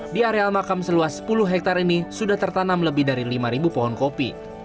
di areal makam seluas sepuluh hektare ini sudah tertanam lebih dari lima pohon kopi